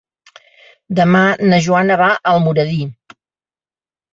Demà na Joana va a Almoradí.